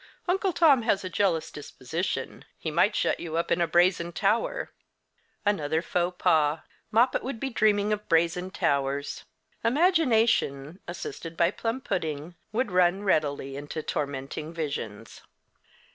Uncle Tom has a jealous disposition. He might shut you up in a brazen tower." Another faux pas. Moppet would be dreaming of brazen towers. Imagination, assisted by plum pudding, would run readily into tormenting visions.